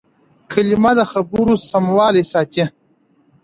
کلیمه د خبرو سموالی ساتي.